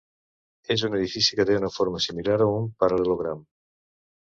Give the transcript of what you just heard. És un edifici que té una forma similar a un paral·lelogram.